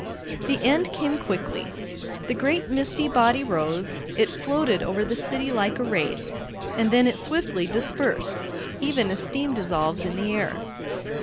The end came quickly. The great misty body rose; it floated over the city like a wraith, and then it swiftly dispersed, even as steam dissolves in the air.